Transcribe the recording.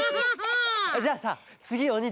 じゃあさつぎおに